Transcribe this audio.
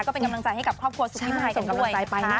ก็เป็นกำลังใจให้กับครอบครัวซุปปี้พายกันด้วย